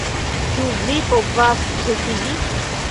Ĉu vi povas ĉesigi?